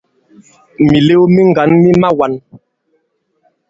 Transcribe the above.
Mìlew mi ŋgǎn mi mawān.